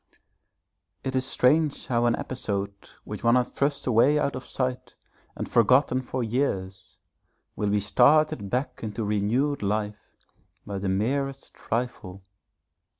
It is strange how an episode which one has thrust away out of sight and forgotten for years will be started back into renewed life by the merest trifle.